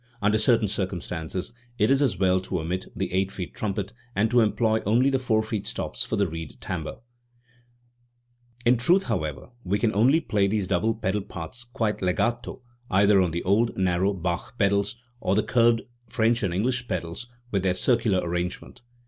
Under certain circum stances it is as well to omit the eight feet trumpet, and to employ only the four feet stops for the reed timbre. In truth, however, we can only play these double pedal parts quite legato either on the old narrow Bach pedals or the curved French and English pedals with their circular arrange ment.